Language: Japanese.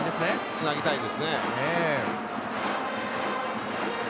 つなぎたいですね。